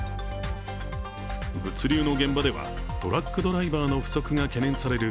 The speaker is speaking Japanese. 物流の現場では、トラックドライバーの不足が懸念される